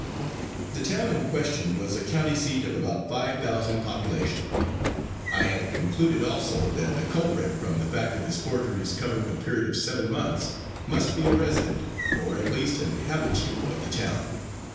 The town in question was a county seat of about five thousand population. I had concluded also that the culprit, from the fact of his forgeries covering a period of seven months, must be a resident, or at least an habitue of the town.